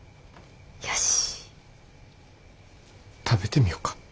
食べてみよか。